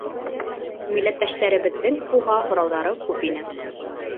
Милләттәштәребеҙҙең уға һорауҙары күп ине.